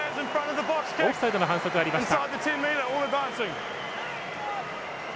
オフサイドの反則がありました。